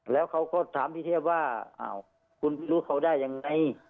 แล้วเขาก็ถามพี่เทพว่าอ้าวคุณรู้เขาได้ยังไง